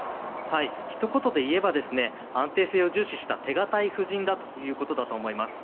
ひと言で言えば安定性を重視した手堅い布陣だということだと思います。